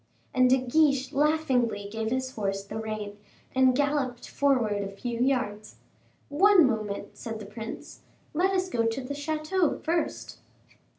And De Guiche, laughingly, gave his horse the rein, and galloped forward a few yards. "One moment," said the prince. "Let us go to the chateau first."